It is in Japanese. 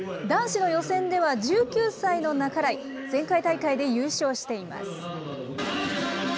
男子の予選では、１９歳の半井、前回大会で優勝しています。